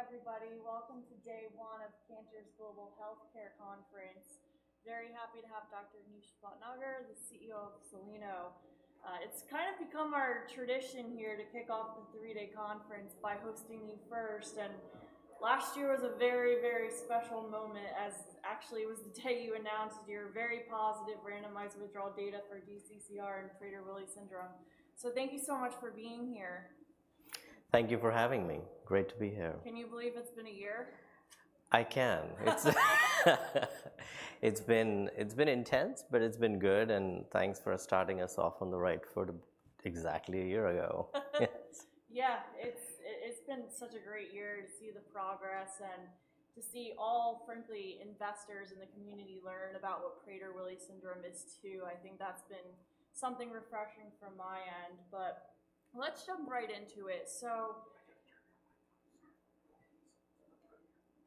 Hi, good morning, everybody. Welcome to day one of Cantor's Global Healthcare Conference. Very happy to have Dr. Anish Bhatnagar, the CEO of Soleno. It's kind of become our tradition here to kick off the three-day conference by hosting you first, and last year was a very, very special moment, as actually it was the day you announced your very positive randomized withdrawal data for DCCR and Prader-Willi syndrome. So thank you so much for being here. Thank you for having me. Great to be here. Can you believe it's been a year? I can. It's been intense, but it's been good, and thanks for starting us off on the right foot exactly a year ago. Yeah, it's been such a great year to see the progress and to see all, frankly, investors in the community learn about what Prader-Willi syndrome is, too. I think that's been something refreshing from my end, but let's jump right into it. So...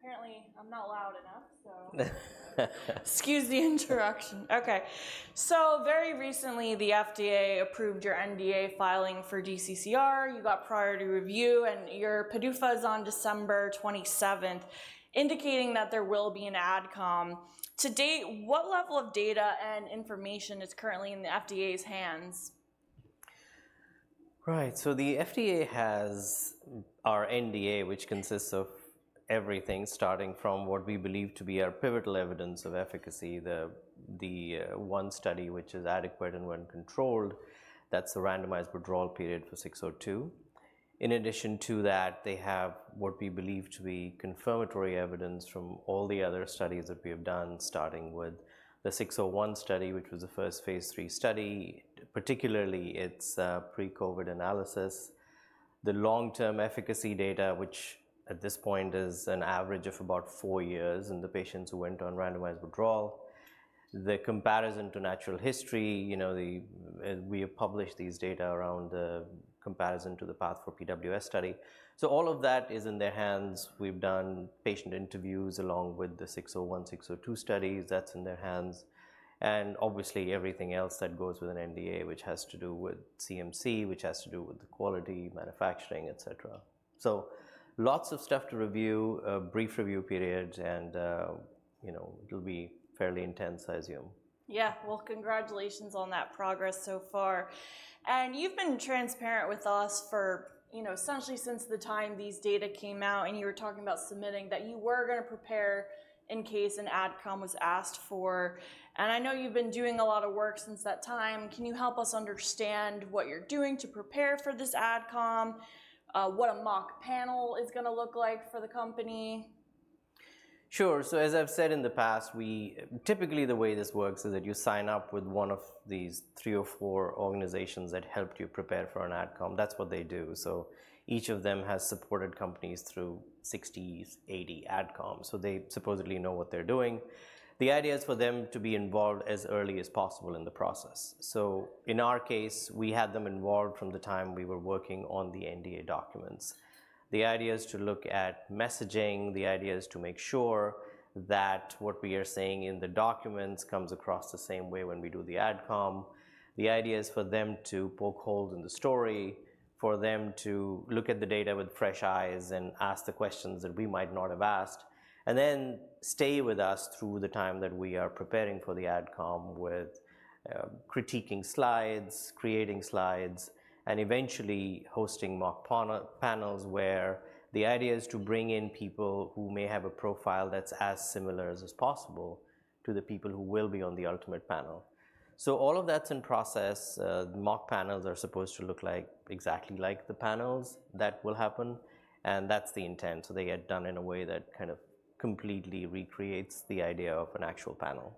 Apparently, I'm not loud enough, so- Excuse the interruption. Okay. So very recently, the FDA approved your NDA filing for DCCR. You got priority review, and your PDUFA is on December 27th, indicating that there will be an AdCom. To date, what level of data and information is currently in the FDA's hands? Right. So the FDA has our NDA, which consists of everything starting from what we believe to be our pivotal evidence of efficacy, the one study which is adequate and well controlled. That's the randomized withdrawal period for 602. In addition to that, they have what we believe to be confirmatory evidence from all the other studies that we have done, starting with the 601 study, which was the first Phase III study, particularly its pre-COVID analysis. The long-term efficacy data, which at this point is an average of about four years, and the patients who went on randomized withdrawal, the comparison to natural history, you know, we have published these data around the comparison to the PATH for PWS study. So all of that is in their hands. We've done patient interviews along with the 601, 602 studies, that's in their hands, and obviously everything else that goes with an NDA, which has to do with CMC, which has to do with the quality, manufacturing, etc. So lots of stuff to review, a brief review period, and, you know, it'll be fairly intense, I assume. Yeah. Well, congratulations on that progress so far. And you've been transparent with us for, you know, essentially since the time these data came out and you were talking about submitting, that you were gonna prepare in case an AdCom was asked for. And I know you've been doing a lot of work since that time. Can you help us understand what you're doing to prepare for this AdCom, what a mock panel is gonna look like for the company? Sure, so as I've said in the past, we typically, the way this works is that you sign up with one of these three or four organizations that helped you prepare for an AdCom. That's what they do, so each of them has supported companies through 60, 80 AdComs, so they supposedly know what they're doing. The idea is for them to be involved as early as possible in the process, so in our case, we had them involved from the time we were working on the NDA documents. The idea is to look at messaging. The idea is to make sure that what we are saying in the documents comes across the same way when we do the AdCom. The idea is for them to poke holes in the story, for them to look at the data with fresh eyes and ask the questions that we might not have asked, and then stay with us through the time that we are preparing for the AdCom with critiquing slides, creating slides, and eventually hosting mock panel, panels, where the idea is to bring in people who may have a profile that's as similar as is possible to the people who will be on the ultimate panel. All of that's in process. Mock panels are supposed to look like, exactly like the panels that will happen, and that's the intent. They get done in a way that kind of completely recreates the idea of an actual panel.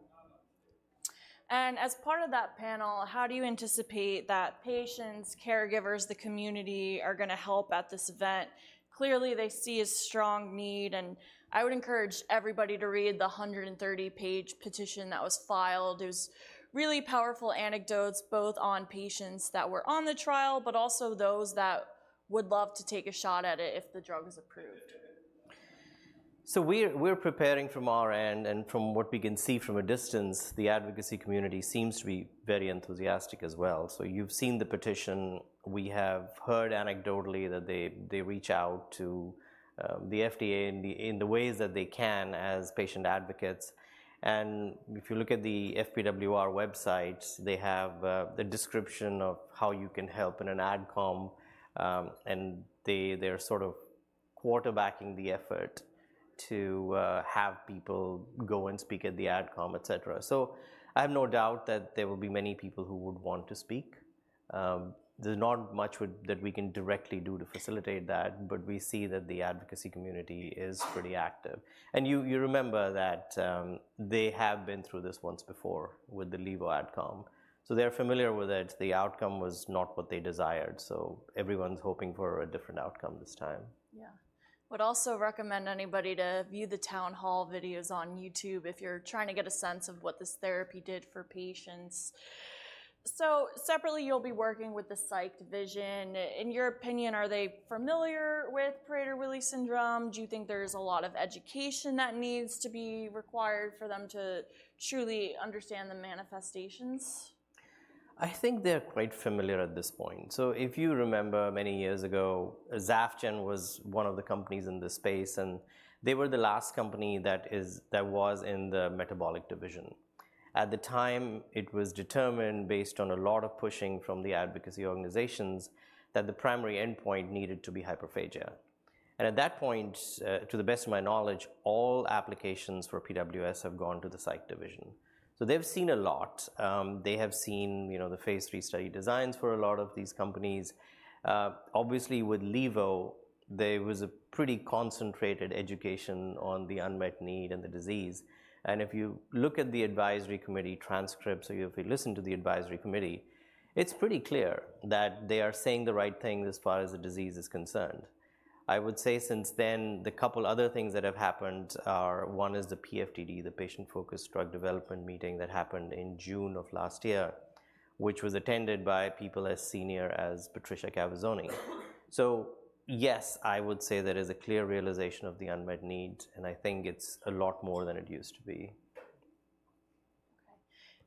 As part of that panel, how do you anticipate that patients, caregivers, the community are gonna help at this event? Clearly, they see a strong need, and I would encourage everybody to read the 130-page petition that was filed. There was really powerful anecdotes, both on patients that were on the trial, but also those that would love to take a shot at it if the drug is approved. So we're preparing from our end, and from what we can see from a distance, the advocacy community seems to be very enthusiastic as well. So you've seen the petition. We have heard anecdotally that they reach out to the FDA in the ways that they can as patient advocates. And if you look at the FPWR websites, they have a description of how you can help in an AdCom, and they're sort of quarterbacking the effort to have people go and speak at the AdCom, etc. So I have no doubt that there will be many people who would want to speak. There's not much that we can directly do to facilitate that, but we see that the advocacy community is pretty active. You remember that they have been through this once before with the Levo AdCom, so they're familiar with it. The outcome was not what they desired, so everyone's hoping for a different outcome this time. Yeah. Would also recommend anybody to view the town hall videos on YouTube if you're trying to get a sense of what this therapy did for patients. So separately, you'll be working with the psych division. In your opinion, are they familiar with Prader-Willi syndrome? Do you think there's a lot of education that needs to be required for them to truly understand the manifestations? ... I think they're quite familiar at this point. So if you remember many years ago, Zafgen was one of the companies in this space, and they were the last company that is-- that was in the metabolic division. At the time, it was determined, based on a lot of pushing from the advocacy organizations, that the primary endpoint needed to be hyperphagia. And at that point, to the best of my knowledge, all applications for PWS have gone to the psych division. So they've seen a lot. They have seen, you know, the phase III study designs for a lot of these companies. Obviously, with Levo, there was a pretty concentrated education on the unmet need and the disease, and if you look at the advisory committee transcripts, or if you listen to the advisory committee, it's pretty clear that they are saying the right things as far as the disease is concerned. I would say since then, the couple other things that have happened are, one is the PFDD, the Patient-Focused Drug Development meeting that happened in June of last year, which was attended by people as senior as Patrizia Cavazzoni. So yes, I would say there is a clear realization of the unmet need, and I think it's a lot more than it used to be. Okay,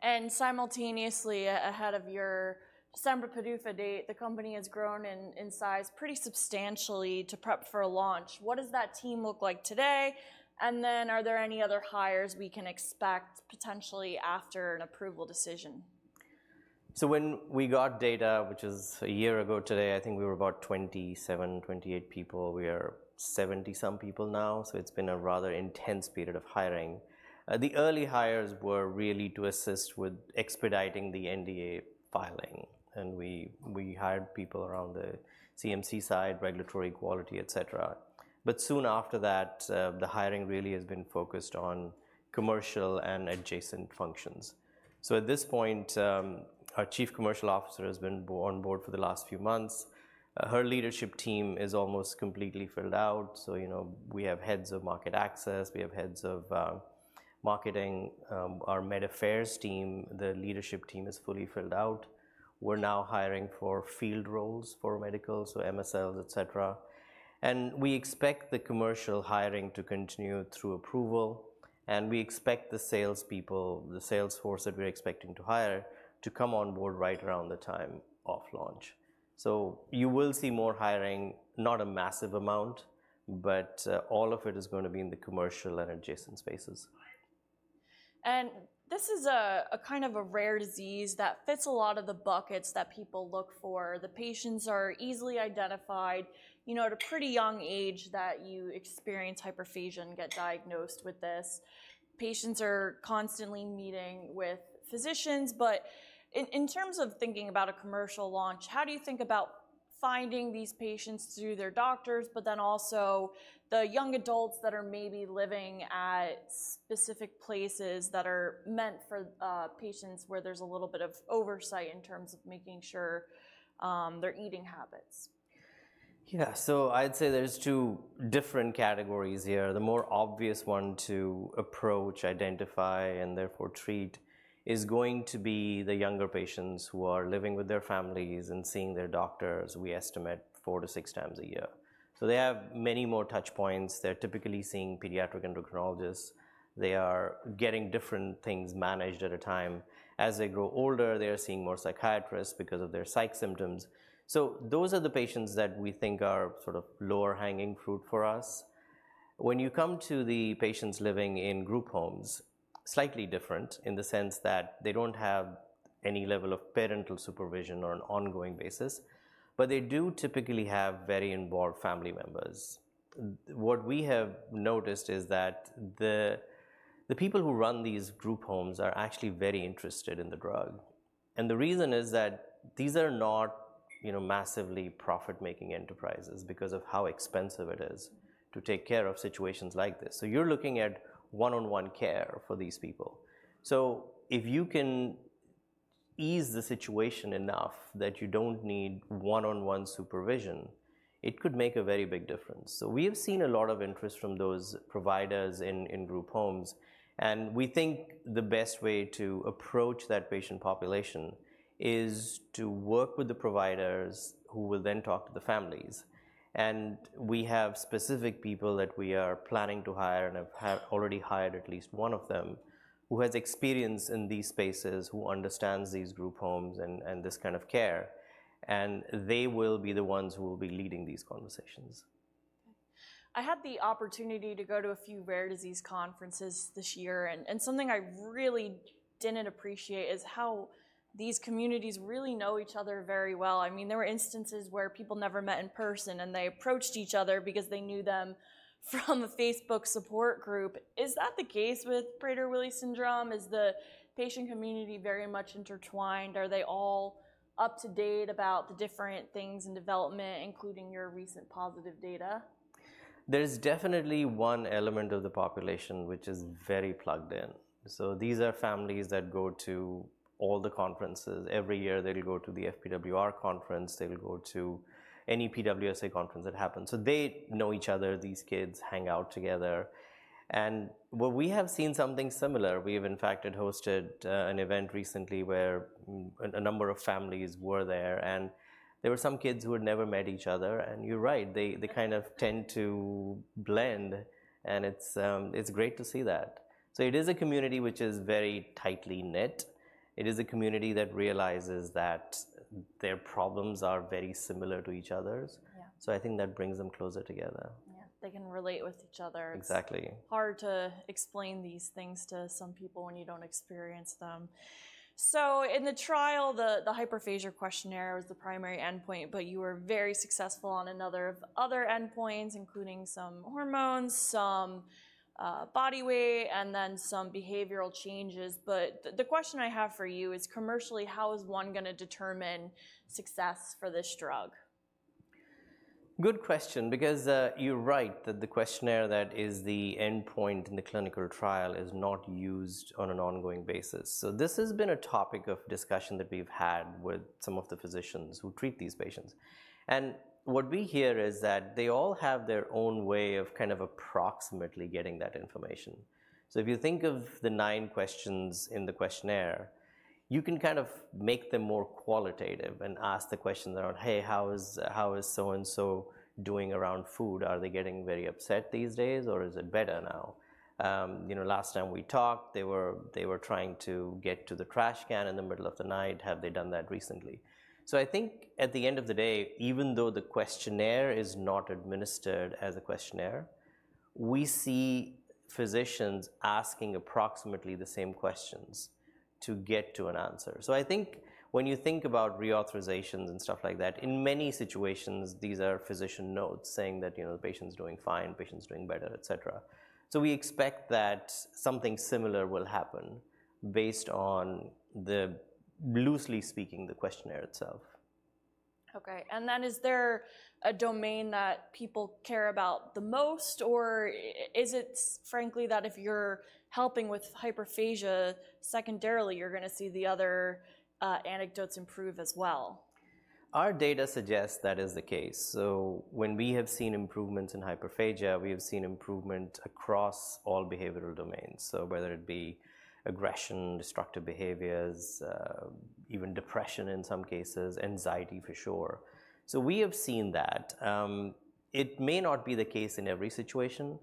and simultaneously, ahead of your December PDUFA date, the company has grown in size pretty substantially to prep for a launch. What does that team look like today? And then, are there any other hires we can expect potentially after an approval decision? So when we got data, which is a year ago today, I think we were about 27, 28 people. We are 70-some people now, so it's been a rather intense period of hiring. The early hires were really to assist with expediting the NDA filing, and we hired people around the CMC side, regulatory quality, et cetera. But soon after that, the hiring really has been focused on commercial and adjacent functions. So at this point, our Chief Commercial Officer has been on board for the last few months. Her leadership team is almost completely filled out, so you know, we have heads of market access, we have heads of marketing. Our med affairs team, the leadership team, is fully filled out. We're now hiring for field roles for medical, so MSLs, et cetera. We expect the commercial hiring to continue through approval, and we expect the salespeople, the sales force that we're expecting to hire, to come on board right around the time of launch. You will see more hiring, not a massive amount, but all of it is gonna be in the commercial and adjacent spaces. This is a kind of a rare disease that fits a lot of the buckets that people look for. The patients are easily identified, you know, at a pretty young age that you experience hyperphagia and get diagnosed with this. Patients are constantly meeting with physicians, but in terms of thinking about a commercial launch, how do you think about finding these patients through their doctors, but then also the young adults that are maybe living at specific places that are meant for patients, where there's a little bit of oversight in terms of making sure their eating habits? Yeah. So I'd say there's two different categories here. The more obvious one to approach, identify, and therefore, treat, is going to be the younger patients who are living with their families and seeing their doctors, we estimate four to six times a year. So they have many more touch points. They're typically seeing pediatric endocrinologists. They are getting different things managed at a time. As they grow older, they are seeing more psychiatrists because of their psych symptoms. So those are the patients that we think are sort of lower-hanging fruit for us. When you come to the patients living in group homes, slightly different in the sense that they don't have any level of parental supervision on an ongoing basis, but they do typically have very involved family members. What we have noticed is that the people who run these group homes are actually very interested in the drug, and the reason is that these are not, you know, massively profit-making enterprises because of how expensive it is to take care of situations like this. So you're looking at one-on-one care for these people. So if you can ease the situation enough that you don't need one-on-one supervision, it could make a very big difference. So we have seen a lot of interest from those providers in group homes, and we think the best way to approach that patient population is to work with the providers, who will then talk to the families. We have specific people that we are planning to hire and have already hired at least one of them, who has experience in these spaces, who understands these group homes and this kind of care, and they will be the ones who will be leading these conversations. I had the opportunity to go to a few rare disease conferences this year, and something I really didn't appreciate is how these communities really know each other very well. I mean, there were instances where people never met in person, and they approached each other because they knew them from a Facebook support group. Is that the case with Prader-Willi syndrome? Is the patient community very much intertwined? Are they all up-to-date about the different things in development, including your recent positive data? There is definitely one element of the population which is very plugged in, so these are families that go to all the conferences. Every year, they will go to the FPWR conference, they will go to any PWSA conference that happens, so they know each other. These kids hang out together, and well, we have seen something similar. We have, in fact, had hosted an event recently where a number of families were there, and there were some kids who had never met each other, and you're right, they- Yeah... they kind of tend to blend, and it's, it's great to see that. So it is a community which is very tightly knit. It is a community that realizes that their problems are very similar to each other's. Yeah. So I think that brings them closer together. Yeah... they can relate with each other. Exactly. Hard to explain these things to some people when you don't experience them. So in the trial, the hyperphagia questionnaire was the primary endpoint, but you were very successful on a number of other endpoints, including some hormones, some body weight, and then some behavioral changes. But the question I have for you is, commercially, how is one gonna determine success for this drug? Good question, because you're right that the questionnaire that is the endpoint in the clinical trial is not used on an ongoing basis, so this has been a topic of discussion that we've had with some of the physicians who treat these patients, and what we hear is that they all have their own way of kind of approximately getting that information. So if you think of the nine questions in the questionnaire, you can kind of make them more qualitative and ask the questions around: "Hey, how is, how is so and so doing around food? Are they getting very upset these days, or is it better now? You know, last time we talked, they were, they were trying to get to the trash can in the middle of the night. Have they done that recently?" So I think at the end of the day, even though the questionnaire is not administered as a questionnaire, we see physicians asking approximately the same questions to get to an answer. So I think when you think about reauthorizations and stuff like that, in many situations, these are physician notes saying that, you know, the patient's doing fine, patient's doing better, et cetera. So we expect that something similar will happen based on the, loosely speaking, the questionnaire itself. Okay. And then is there a domain that people care about the most, or is it frankly that if you're helping with hyperphagia, secondarily, you're gonna see the other anecdotes improve as well? Our data suggests that is the case. So when we have seen improvements in hyperphagia, we have seen improvement across all behavioral domains. So whether it be aggression, destructive behaviors, even depression in some cases, anxiety for sure. So we have seen that. It may not be the case in every situation,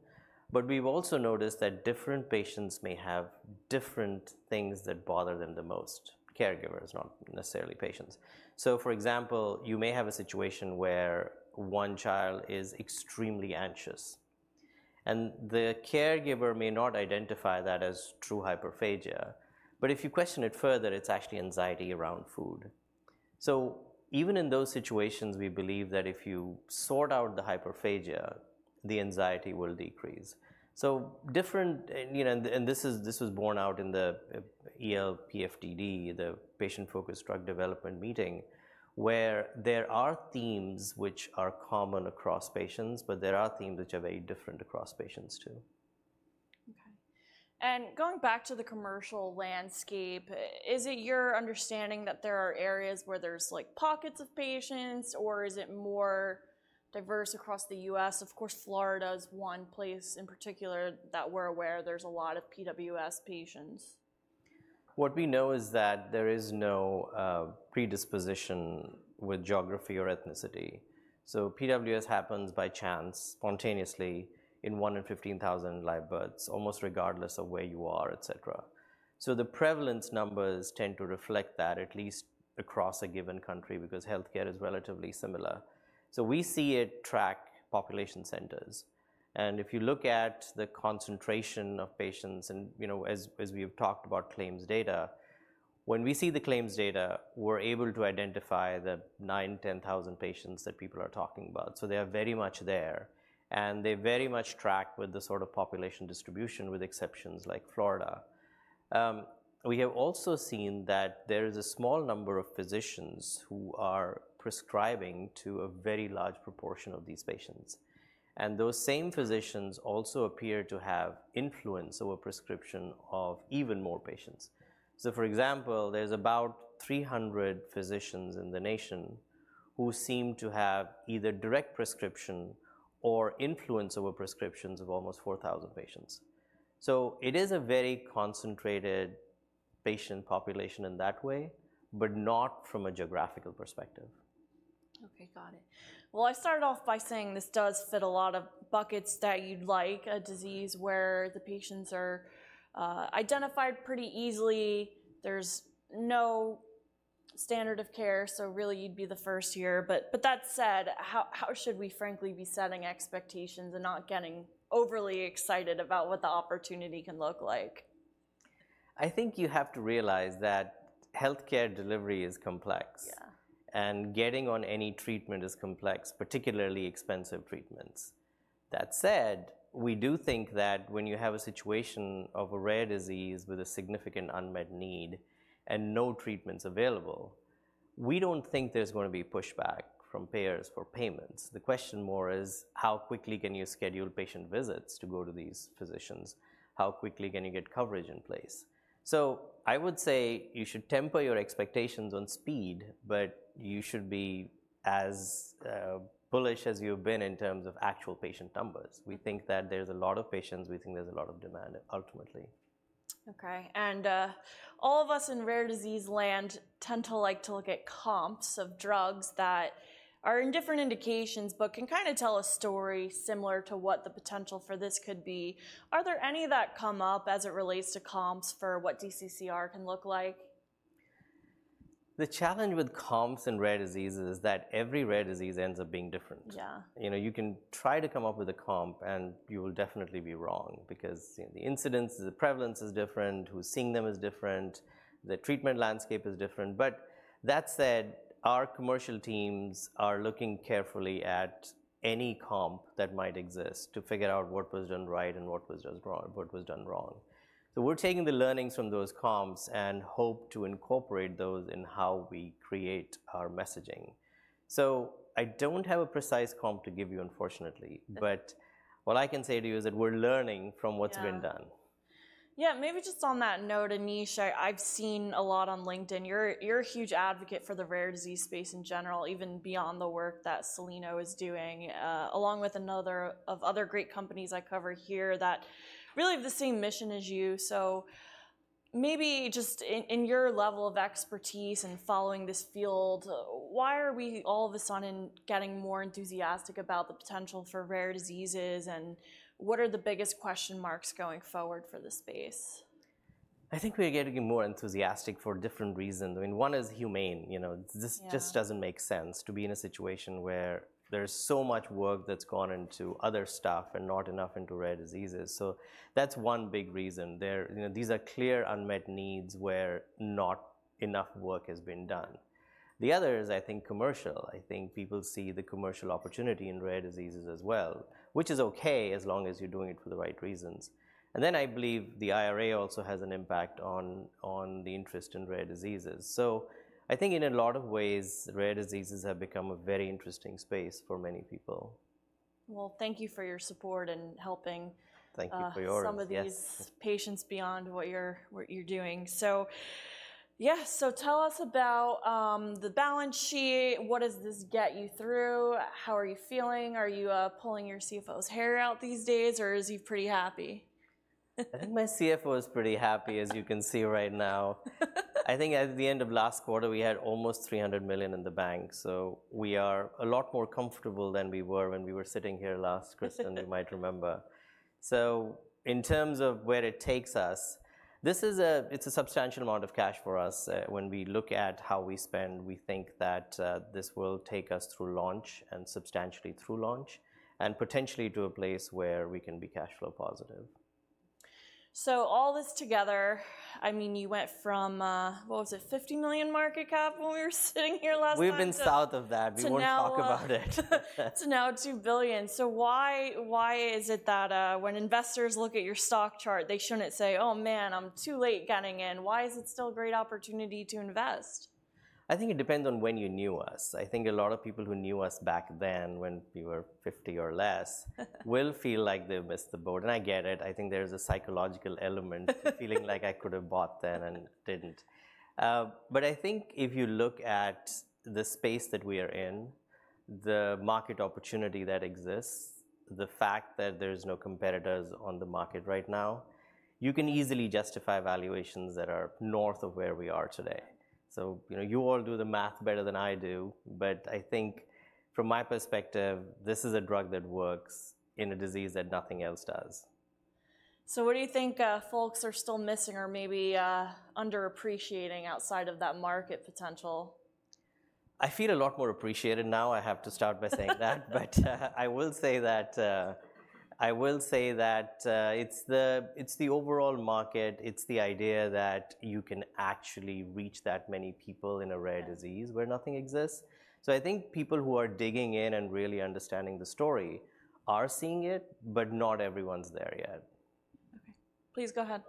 but we've also noticed that different patients may have different things that bother them the most, caregivers, not necessarily patients. So, for example, you may have a situation where one child is extremely anxious, and the caregiver may not identify that as true hyperphagia. But if you question it further, it's actually anxiety around food. So even in those situations, we believe that if you sort out the hyperphagia, the anxiety will decrease. So different... You know, this was borne out in the PFDD, the Patient-Focused Drug Development Meeting, where there are themes which are common across patients, but there are themes which are very different across patients, too. Okay. And going back to the commercial landscape, is it your understanding that there are areas where there's, like, pockets of patients, or is it more diverse across the U.S.? Of course, Florida is one place in particular that we're aware there's a lot of PWS patients. What we know is that there is no predisposition with geography or ethnicity. So PWS happens by chance, spontaneously, in one in 15,000 live births, almost regardless of where you are, et cetera. So the prevalence numbers tend to reflect that, at least across a given country, because healthcare is relatively similar. So we see it track population centers, and if you look at the concentration of patients, and, you know, as we have talked about claims data, when we see the claims data, we're able to identify the 9-10,000 patients that people are talking about. So they are very much there, and they very much track with the sort of population distribution, with exceptions like Florida. We have also seen that there is a small number of physicians who are prescribing to a very large proportion of these patients, and those same physicians also appear to have influence over prescription of even more patients. So, for example, there's about three hundred physicians in the nation who seem to have either direct prescription or influence over prescriptions of almost 400 patients. It is a very concentrated patient population in that way, but not from a geographical perspective. Okay, got it. Well, I started off by saying this does fit a lot of buckets that you'd like, a disease where the patients are identified pretty easily. There's no standard of care, so really, you'd be the first here. But that said, how should we frankly be setting expectations and not getting overly excited about what the opportunity can look like? I think you have to realize that healthcare delivery is complex. Yeah. And getting on any treatment is complex, particularly expensive treatments. That said, we do think that when you have a situation of a rare disease with a significant unmet need and no treatments available, we don't think there's going to be pushback from payers for payments. The question more is, how quickly can you schedule patient visits to go to these physicians? How quickly can you get coverage in place? So I would say you should temper your expectations on speed, but you should be as bullish as you've been in terms of actual patient numbers. We think that there's a lot of patients. We think there's a lot of demand, ultimately. Okay. And, all of us in rare disease land tend to like to look at comps of drugs that are in different indications but can kind of tell a story similar to what the potential for this could be. Are there any that come up as it relates to comps for what DCCR can look like?... The challenge with comps in rare diseases is that every rare disease ends up being different. Yeah. You know, you can try to come up with a comp, and you will definitely be wrong because, you know, the incidence, the prevalence is different, who's seeing them is different, the treatment landscape is different. But that said, our commercial teams are looking carefully at any comp that might exist to figure out what was done right and what was just wrong, what was done wrong. So we're taking the learnings from those comps and hope to incorporate those in how we create our messaging. So I don't have a precise comp to give you, unfortunately. Okay. but what I can say to you is that we're learning from what's been done. Yeah. Yeah, maybe just on that note, Anish, I've seen a lot on LinkedIn. You're a huge advocate for the rare disease space in general, even beyond the work that Soleno is doing, along with another of other great companies I cover here that really have the same mission as you. So maybe just in your level of expertise in following this field, why are we all of a sudden getting more enthusiastic about the potential for rare diseases, and what are the biggest question marks going forward for this space? I think we're getting more enthusiastic for different reasons, and one is humane. You know- Yeah... this just doesn't make sense to be in a situation where there's so much work that's gone into other stuff and not enough into rare diseases. So that's one big reason. You know, these are clear, unmet needs where not enough work has been done. The other is I think commercial. I think people see the commercial opportunity in rare diseases as well, which is okay, as long as you're doing it for the right reasons. And then I believe the IRA also has an impact on the interest in rare diseases. So I think in a lot of ways, rare diseases have become a very interesting space for many people. Well, thank you for your support in helping- Thank you for yours, yes.... some of these patients beyond what you're doing. So, yeah, so tell us about the balance sheet. What does this get you through? How are you feeling? Are you pulling your CFO's hair out these days, or is he pretty happy? I think my CFO is pretty happy, as you can see right now. I think at the end of last quarter, we had almost $300 million in the bank, so we are a lot more comfortable than we were when we were sitting here last, Kristen. You might remember. So in terms of where it takes us, this is a substantial amount of cash for us. When we look at how we spend, we think that this will take us through launch and substantially through launch and potentially to a place where we can be cash flow positive. All this together, I mean, you went from what was it? $50 million market cap when we were sitting here last time to- We've been south of that. To now, We won't talk about it. To now $2 billion. So why, why is it that, when investors look at your stock chart, they shouldn't say, "Oh, man, I'm too late getting in"? Why is it still a great opportunity to invest? I think it depends on when you knew U.S.. I think a lot of people who knew U.S. back then when we were 50 or less will feel like they've missed the boat, and I get it. I think there's a psychological element to feeling like I could have bought then and didn't, but I think if you look at the space that we are in, the market opportunity that exists, the fact that there's no competitors on the market right now, you can easily justify valuations that are north of where we are today, so you know, you all do the math better than I do, but I think from my perspective, this is a drug that works in a disease that nothing else does. So what do you think, folks are still missing or maybe, underappreciating outside of that market potential? I feel a lot more appreciated now. I have to start by saying that. But, I will say that it's the overall market. It's the idea that you can actually reach that many people in a rare disease- Yeah... where nothing exists, so I think people who are digging in and really understanding the story are seeing it, but not everyone's there yet. Okay. Please go ahead.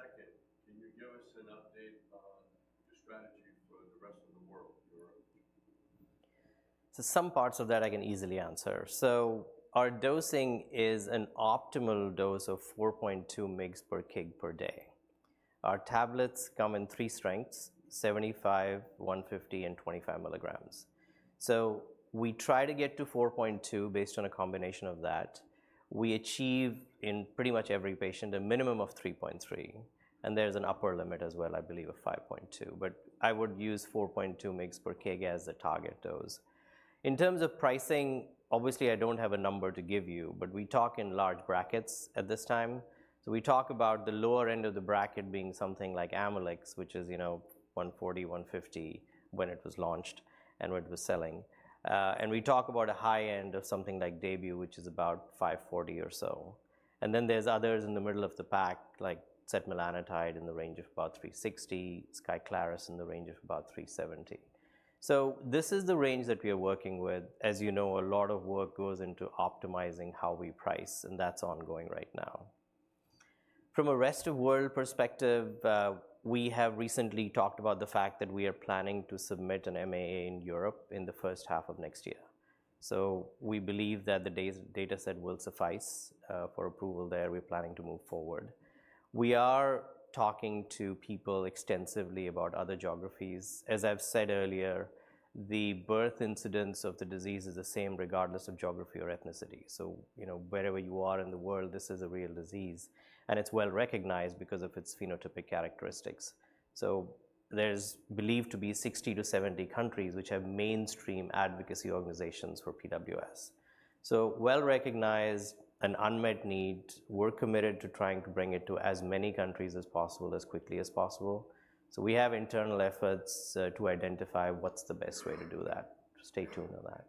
Two questions. I know it's early, for modeling purposes only, just tell me what kind of pricing assumptions I should use, and what's the dose of your drug per day, the pricing assumptions? And second, can you give us an update on your strategy for the rest of the world, Europe? Some parts of that I can easily answer. Our dosing is an optimal dose of 4.2 mg per kg per day. Our tablets come in three strengths, 75, 150, and 25 milligrams. We try to get to 4.2 based on a combination of that. We achieve in pretty much every patient, a minimum of 3.3, and there's an upper limit as well, I believe, of 5.2, but I would use 4.2 mg per kg as the target dose. In terms of pricing, obviously, I don't have a number to give you, but we talk in large brackets at this time. We talk about the lower end of the bracket being something like Amylyx, which is, you know, $140-$150 when it was launched and when it was selling. And we talk about a high end of something like Daybue, which is about $540 or so. And then there's others in the middle of the pack, like setmelanotide, in the range of about $360, Skyclarys in the range of about $370. So this is the range that we are working with. As you know, a lot of work goes into optimizing how we price, and that's ongoing right now. From a rest of world perspective, we have recently talked about the fact that we are planning to submit an MAA in Europe in the first half of next year. So we believe that the data set will suffice for approval there. We're planning to move forward. We are talking to people extensively about other geographies. As I've said earlier, the birth incidence of the disease is the same regardless of geography or ethnicity. So, you know, wherever you are in the world, this is a real disease, and it's well-recognized because of its phenotypic characteristics. So there's believed to be 60-70 countries which have mainstream advocacy organizations for PWS. So well-recognized, an unmet need. We're committed to trying to bring it to as many countries as possible, as quickly as possible. So we have internal efforts to identify what's the best way to do that. Stay tuned on that.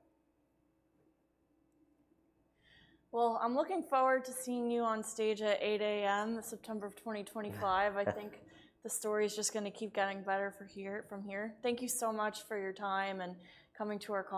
I'm looking forward to seeing you on stage at 8:00A.M., September of twenty twenty-five. I think the story is just gonna keep getting better for here, from here. Thank you so much for your time and coming to our conference.